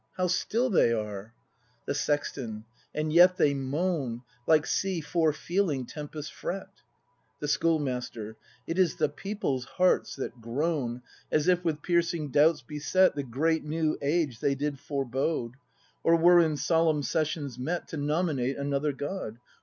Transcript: — How still they are ! The Sexton. And yet they moan, Like sea fore feeling tempest's fret. The Schoolmaster. It is the People's hearts that groan. As if, with piercing doubts beset. The great new age they did forebode, Or were in solemn sessions met To nominate another God.